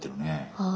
はい。